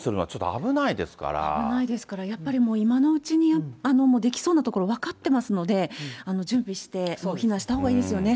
危ないですから、やっぱり今のうちに、出来そうな所分かってますので、準備して避難したほうがいいですよね。